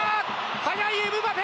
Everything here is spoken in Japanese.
速いエムバペ！